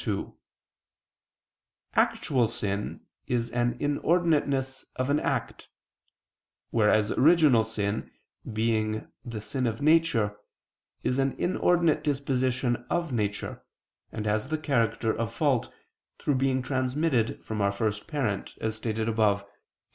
2: Actual sin is an inordinateness of an act: whereas original sin, being the sin of nature, is an inordinate disposition of nature, and has the character of fault through being transmitted from our first parent, as stated above (Q.